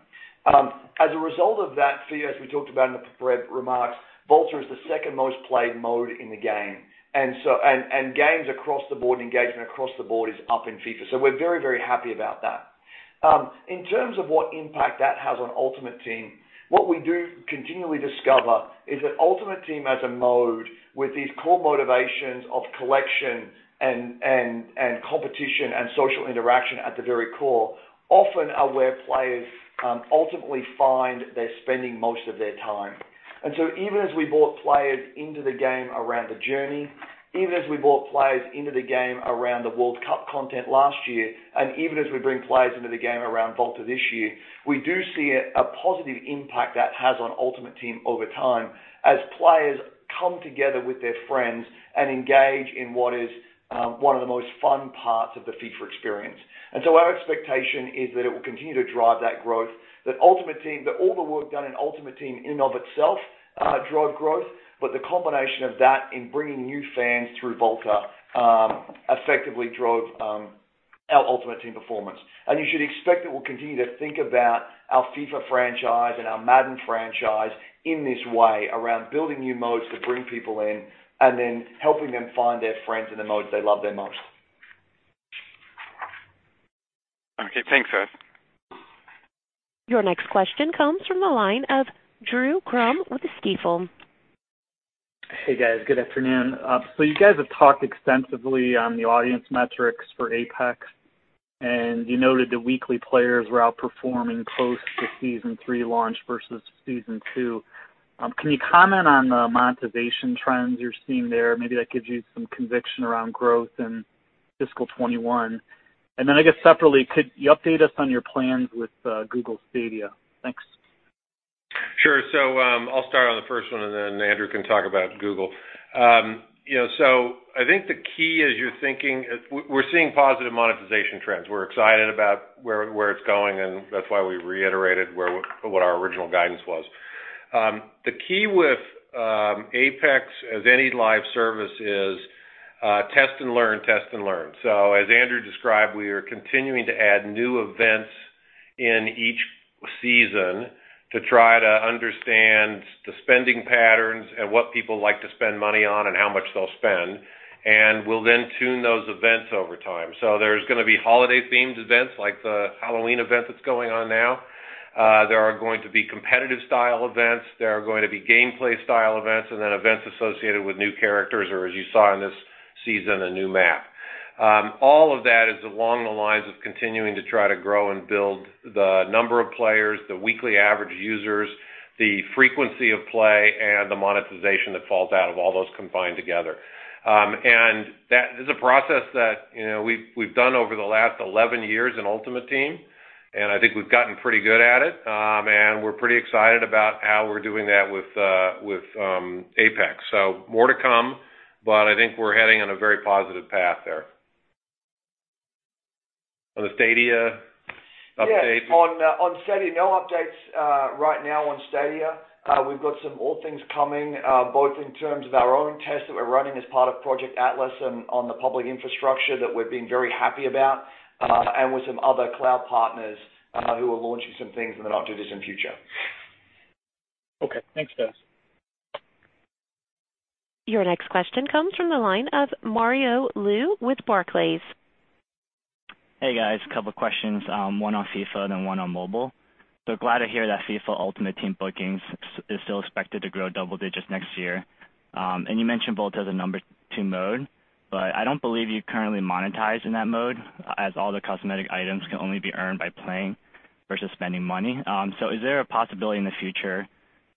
As a result of that, FIFA, as we talked about in the prepared remarks, Volta is the second most played mode in the game. Games across the board, engagement across the board is up in FIFA. We're very, very happy about that. In terms of what impact that has on Ultimate Team, what we do continually discover is that Ultimate Team as a mode with these core motivations of collection and competition and social interaction at the very core, often are where players ultimately find they're spending most of their time. Even as we brought players into the game around The Journey, even as we brought players into the game around the World Cup content last year, even as we bring players into the game around Volta this year, we do see a positive impact that has on Ultimate Team over time, as players come together with their friends and engage in what is one of the most fun parts of the FIFA experience. Our expectation is that it will continue to drive that growth, that all the work done in Ultimate Team in and of itself drove growth. The combination of that in bringing new fans through Volta effectively drove our Ultimate Team performance. You should expect that we'll continue to think about our FIFA franchise and our Madden franchise in this way, around building new modes to bring people in, and then helping them find their friends in the modes they love the most. Okay. Thanks, guys. Your next question comes from the line of Drew Crum with Stifel. Hey, guys. Good afternoon. You guys have talked extensively on the audience metrics for Apex, and you noted the weekly players were outperforming close to Season 3 launch versus Season 2. Can you comment on the monetization trends you're seeing there? Maybe that gives you some conviction around growth in fiscal 2021. Then, I guess separately, could you update us on your plans with Google Stadia? Thanks. Sure. I'll start on the first one, and then Andrew can talk about Google. I think the key as you're thinking is we're seeing positive monetization trends. We're excited about where it's going, and that's why we reiterated what our original guidance was. The key with Apex, as any live service is test and learn. As Andrew described, we are continuing to add new events in each season to try to understand the spending patterns and what people like to spend money on and how much they'll spend. We'll then tune those events over time. There's going to be holiday-themed events like the Halloween event that's going on now. There are going to be competitive style events. There are going to be gameplay style events, and then events associated with new characters, or, as you saw in this season, a new map. All of that is along the lines of continuing to try to grow and build the number of players, the weekly average users, the frequency of play, and the monetization that falls out of all those combined together. That is a process that we've done over the last 11 years in Ultimate Team, and I think we've gotten pretty good at it. We're pretty excited about how we're doing that with Apex. More to come, but I think we're heading on a very positive path there. On the Stadia update? Yeah. On Stadia, no updates right now on Stadia. We've got some more things coming, both in terms of our own tests that we're running as part of Project Atlas and on the public infrastructure that we're being very happy about, and with some other cloud partners who are launching some things and they'll do this in future. Okay. Thanks, guys. Your next question comes from the line of Mario Lu with Barclays. Hey, guys, a couple of questions, one on FIFA, one on mobile. Glad to hear that FIFA Ultimate Team bookings is still expected to grow double digits next year. You mentioned Volta is a number 2 mode, but I don't believe you currently monetize in that mode, as all the cosmetic items can only be earned by playing versus spending money. Is there a possibility in the future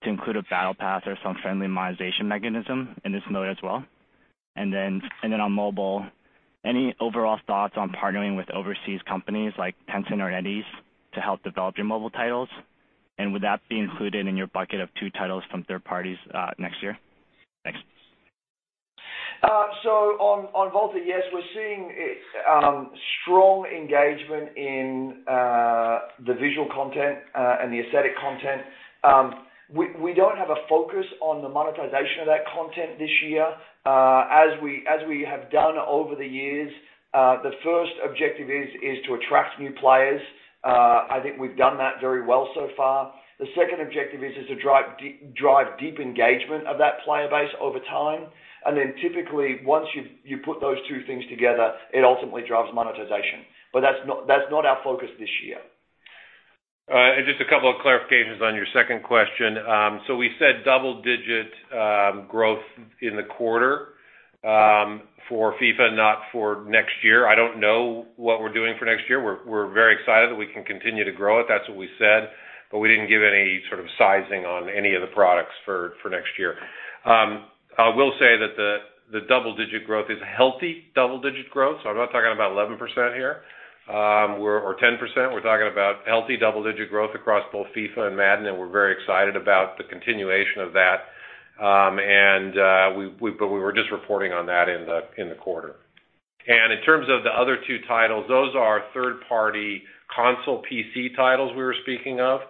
to include a Battle Pass or some friendly monetization mechanism in this mode as well? On mobile, any overall thoughts on partnering with overseas companies like Tencent or NetEase to help develop your mobile titles? Would that be included in your bucket of two titles from third parties next year? Thanks. On Volta, yes, we're seeing strong engagement in the visual content and the aesthetic content. We don't have a focus on the monetization of that content this year. As we have done over the years, the first objective is to attract new players. I think we've done that very well so far. The second objective is to drive deep engagement of that player base over time. Typically, once you put those two things together, it ultimately drives monetization. That's not our focus this year. Just a couple of clarifications on your second question. We said double-digit growth in the quarter for FIFA, not for next year. I don't know what we're doing for next year. We're very excited that we can continue to grow it. That's what we said. We didn't give any sort of sizing on any of the products for next year. I will say that the double-digit growth is healthy double-digit growth. I'm not talking about 11% here or 10%. We're talking about healthy double-digit growth across both FIFA and Madden, and we're very excited about the continuation of that. We were just reporting on that in the quarter. In terms of the other two titles, those are third-party console PC titles we were speaking of,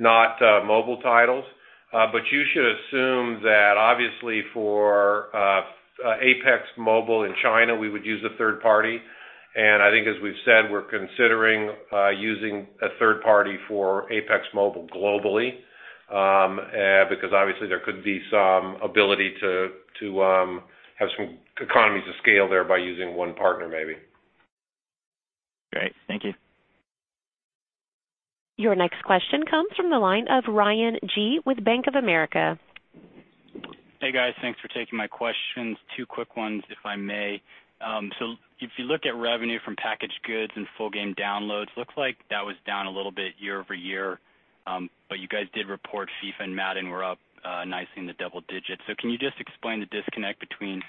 not mobile titles. You should assume that obviously for Apex Mobile in China, we would use a third party. I think as we've said, we're considering using a third party for Apex Mobile globally because obviously, there could be some ability to have some economies of scale there by using one partner, maybe. Great. Thank you. Your next question comes from the line of Ryan Gee with Bank of America. Hey, guys. Thanks for taking my questions. Two quick ones, if I may. If you look at revenue from packaged goods and full game downloads, looks like that was down a little bit year-over-year. You guys did report FIFA and Madden were up nicely in the double digits. Can you just explain the disconnect between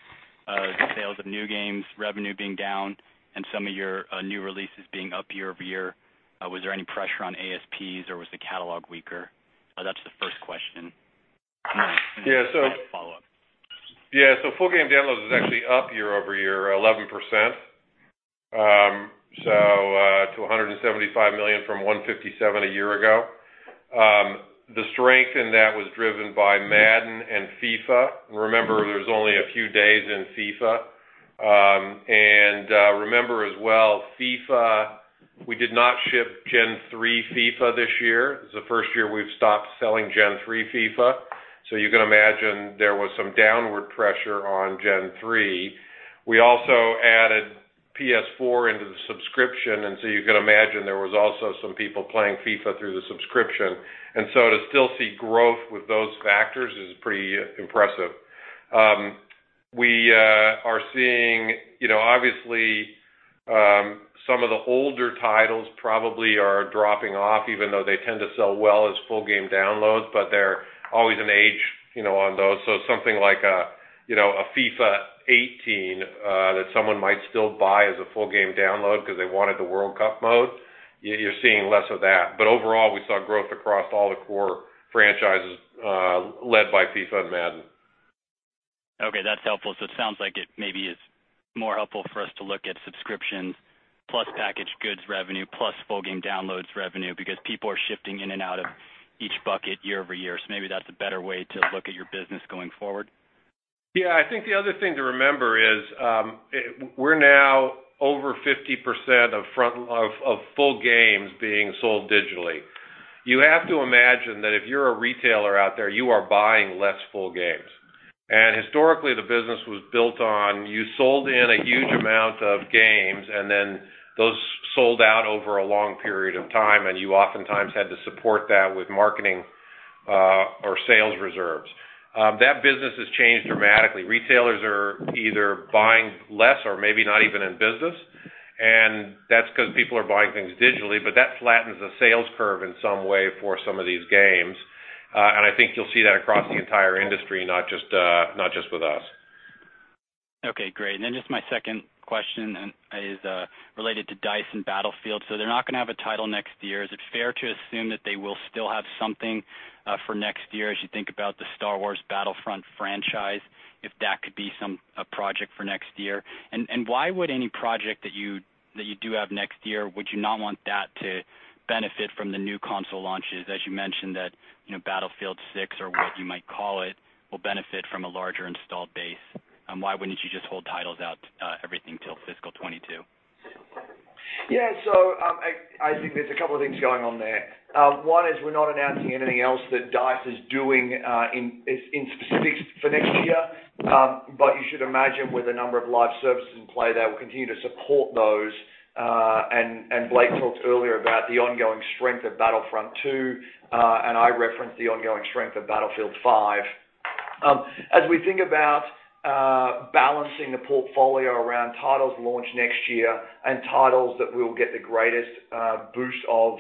the sales of new games revenue being down and some of your new releases being up year-over-year? Was there any pressure on ASPs or was the catalog weaker? That's the first question. Then I have a follow-up. Yeah. Full game downloads is actually up year-over-year 11%, to $175 million from $157 million a year ago. The strength in that was driven by Madden and FIFA. Remember, there's only a few days in FIFA. Remember as well, we did not ship Gen 3 FIFA this year. This is the first year we've stopped selling Gen 3 FIFA. You can imagine there was some downward pressure on Gen 3. We also added PS4 into the subscription, you can imagine there was also some people playing FIFA through the subscription. To still see growth with those factors is pretty impressive. We are seeing, obviously, some of the older titles probably are dropping off even though they tend to sell well as full game downloads, they're always an age on those. Something like a FIFA 18 that someone might still buy as a full game download because they wanted the World Cup mode, you're seeing less of that. Overall, we saw growth across all the core franchises led by FIFA and Madden. Okay, that's helpful. It sounds like it maybe is more helpful for us to look at subscriptions plus packaged goods revenue plus full game downloads revenue because people are shifting in and out of each bucket year-over-year. Maybe that's a better way to look at your business going forward. Yeah, I think the other thing to remember is we're now over 50% of full games being sold digitally. You have to imagine that if you're a retailer out there, you are buying less full games. Historically, the business was built on, you sold in a huge amount of games, and then those sold out over a long period of time, and you oftentimes had to support that with marketing or sales reserves. That business has changed dramatically. Retailers are either buying less or maybe not even in business, and that's because people are buying things digitally, but that flattens the sales curve in some way for some of these games. I think you'll see that across the entire industry, not just with us. Okay, great. Just my second question is related to DICE and Battlefield. They're not going to have a title next year. Is it fair to assume that they will still have something for next year as you think about the Star Wars Battlefront franchise, if that could be a project for next year? Why would any project that you do have next year, would you not want that to benefit from the new console launches? As you mentioned that Battlefield 6 or what you might call it, will benefit from a larger installed base. Why wouldn't you just hold titles out everything till fiscal 2022? I think there's a couple of things going on there. One is we're not announcing anything else that DICE is doing in specifics for next year. You should imagine with a number of live services in play, they will continue to support those. Blake talked earlier about the ongoing strength of Battlefront II, and I referenced the ongoing strength of Battlefield V. As we think about balancing the portfolio around titles launch next year and titles that we will get the greatest boost of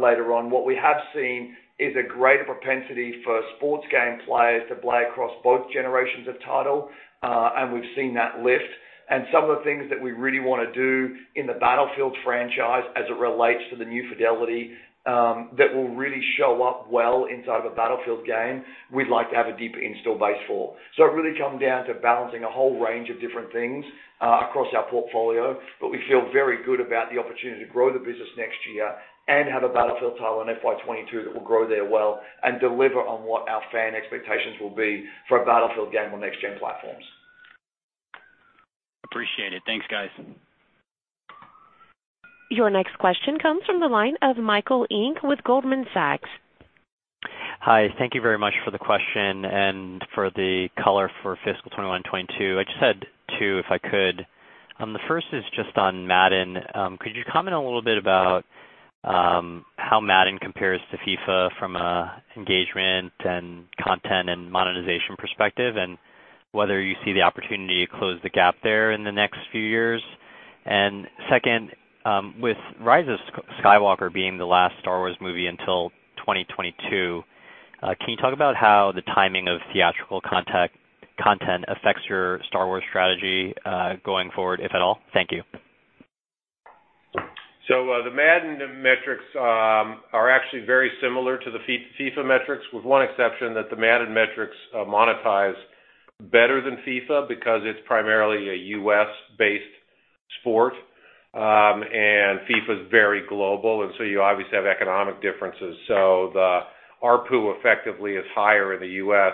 later on, what we have seen is a greater propensity for sports game players to play across both generations of title. We've seen that lift. Some of the things that we really want to do in the Battlefield franchise as it relates to the new fidelity that will really show up well inside of a Battlefield game, we'd like to have a deeper install base for. It really come down to balancing a whole range of different things across our portfolio, but we feel very good about the opportunity to grow the business next year and have a Battlefield title in FY 2022 that will grow there well and deliver on what our fan expectations will be for a Battlefield game on next-gen platforms. Appreciate it. Thanks, guys. Your next question comes from the line of Michael Ng with Goldman Sachs. Hi. Thank you very much for the question and for the color for fiscal 2021, 2022. I just had two, if I could. The first is just on Madden. Could you comment a little bit about how Madden compares to FIFA from a engagement and content and monetization perspective, and whether you see the opportunity to close the gap there in the next few years? Second, with Rise of Skywalker being the last Star Wars movie until 2022, can you talk about how the timing of theatrical content affects your Star Wars strategy going forward, if at all? Thank you. The Madden metrics are actually very similar to the FIFA metrics with one exception that the Madden metrics monetize better than FIFA because it's primarily a U.S.-based sport. FIFA is very global, and so you obviously have economic differences. The ARPU effectively is higher in the U.S.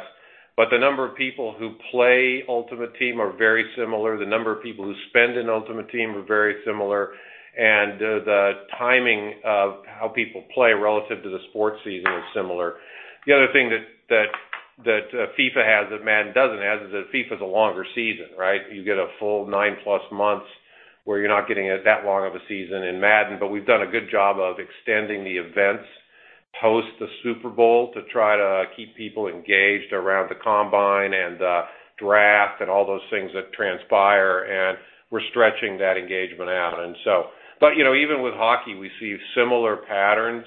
The number of people who play Ultimate Team are very similar. The number of people who spend in Ultimate Team are very similar, and the timing of how people play relative to the sports season is similar. The other thing that FIFA has that Madden doesn't have is that FIFA is a longer season, right? You get a full 9-plus months, where you're not getting that long of a season in Madden. We've done a good job of extending the events post the Super Bowl to try to keep people engaged around the combine and the draft and all those things that transpire, and we're stretching that engagement out. Even with hockey, we see similar patterns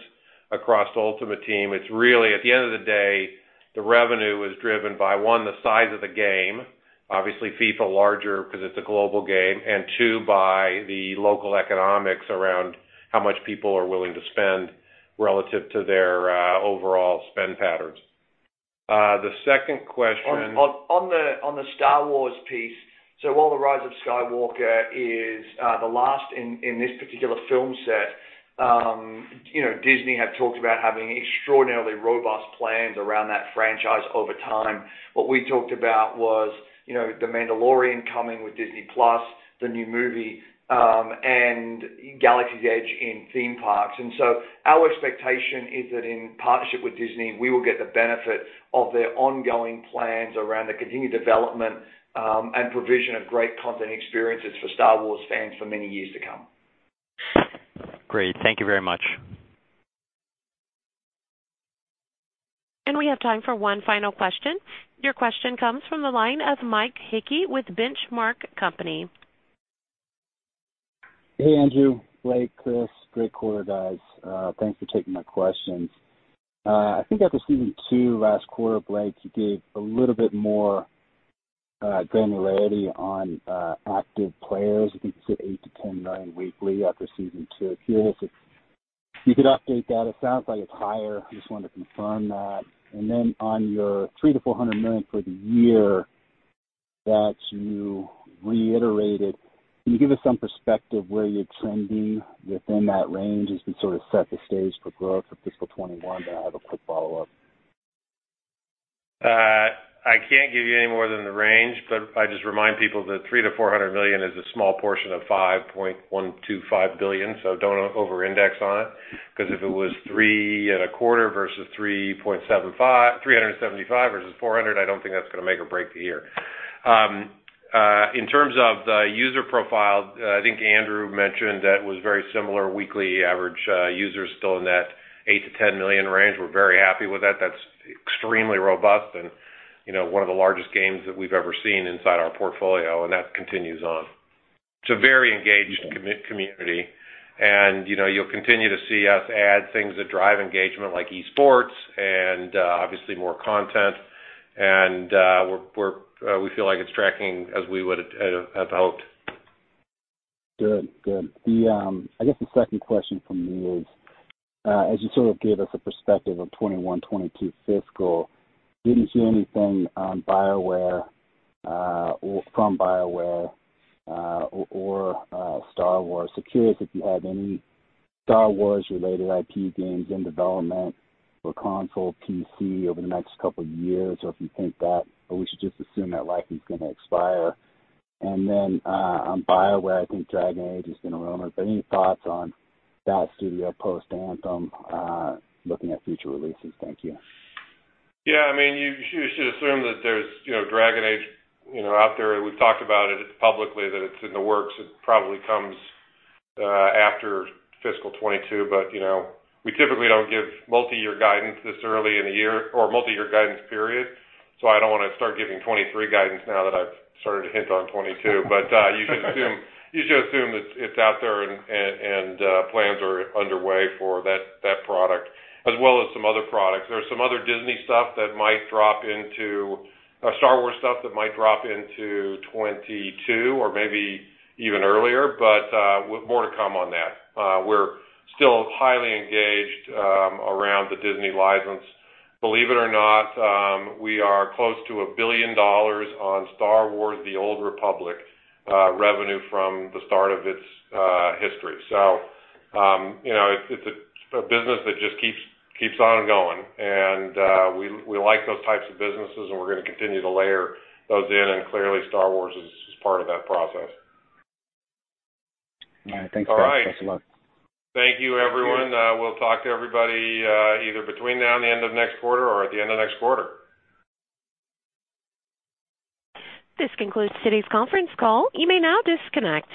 across Ultimate Team. At the end of the day, the revenue is driven by, one, the size of the game, obviously FIFA larger because it's a global game, and two, by the local economics around how much people are willing to spend relative to their overall spend patterns. On the Star Wars piece, while The Rise of Skywalker is the last in this particular film set, Disney had talked about having extraordinarily robust plans around that franchise over time. What we talked about was The Mandalorian coming with Disney+, the new movie, and Galaxy's Edge in theme parks. Our expectation is that in partnership with Disney, we will get the benefit of their ongoing plans around the continued development and provision of great content experiences for Star Wars fans for many years to come. Great. Thank you very much. We have time for one final question. Your question comes from the line of Mike Hickey with Benchmark Company. Hey, Andrew, Blake, Chris. Great quarter, guys. Thanks for taking my questions. I think after season two last quarter, Blake, you gave a little bit more granularity on active players. I think you said eight million-10 million weekly after season two. Curious if you could update that. It sounds like it's higher. I just wanted to confirm that. Then on your $300 million-$400 million for the year that you reiterated, can you give us some perspective where you're trending within that range as we sort of set the stage for growth for fiscal 2021? I have a quick follow-up. I can't give you any more than the range. I just remind people that $300 million-$400 million is a small portion of $5.125 billion. Don't over-index on it, because if it was three and a quarter versus $375 versus $400, I don't think that's going to make or break the year. In terms of the user profile, I think Andrew mentioned that it was very similar weekly average users still in that eight million-10 million range. We're very happy with that. That's extremely robust and one of the largest games that we've ever seen inside our portfolio. That continues on. It's a very engaged community. You'll continue to see us add things that drive engagement, like esports and obviously more content. We feel like it's tracking as we would have hoped. Good. I guess the second question from me is, as you sort of gave us a perspective on FY 2021, FY 2022 fiscal, we didn't hear anything from BioWare or Star Wars. Curious if you have any Star Wars-related IP games in development for console PC over the next couple of years, or if you think that we should just assume that license is going to expire. On BioWare, I think Dragon Age has been a rumor, but any thoughts on that studio post Anthem looking at future releases? Thank you. Yeah, you should assume that there's Dragon Age out there. We've talked about it publicly that it's in the works. It probably comes after fiscal 2022. We typically don't give multi-year guidance this early in the year or multi-year guidance, period. I don't want to start giving 2023 guidance now that I've started to hint on 2022. You should assume that it's out there and plans are underway for that product as well as some other products. There's some other Star Wars stuff that might drop into 2022 or maybe even earlier, but more to come on that. We're still highly engaged around the Disney license. Believe it or not, we are close to $1 billion on Star Wars: The Old Republic revenue from the start of its history. It's a business that just keeps on going, and we like those types of businesses, and we're going to continue to layer those in, and clearly, Star Wars is part of that process. All right. Thanks guys. Best of luck. Thank you, everyone. We'll talk to everybody either between now and the end of next quarter or at the end of next quarter. This concludes today's conference call. You may now disconnect.